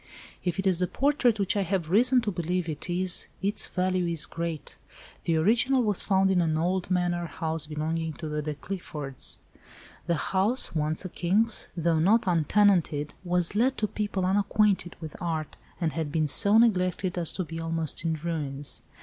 "If it is the portrait which I have reason to believe it is its value is great. The original was found in an old manor house belonging to the De Cliffords. The house—once a king's—though not untenanted, was let to people unacquainted with art, and had been so neglected as to be almost in ruins.